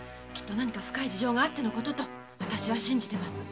深い事情があってのこととあたしは信じてます。